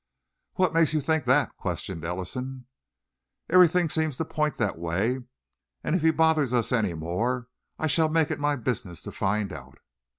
"What makes you think that?" questioned Ellison. "Everything seems to point that way, and if he bothers us any more I shall make it my business to find out."